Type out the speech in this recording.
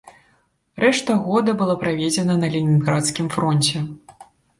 Рэшта года была праведзена на ленінградскім фронце.